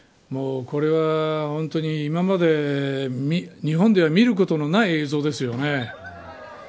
これは今まで日本では見ることのない映像ですよね。